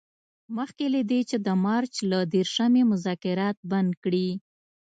مخکې له دې چې د مارچ له دیرشمې مذاکرات بند کړي.